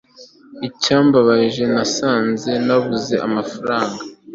icyambabaje nasanze nabuze amafaranga